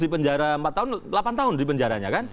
di penjara empat tahun delapan tahun di penjaranya kan